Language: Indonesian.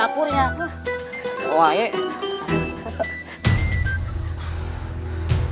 sampai balatak ini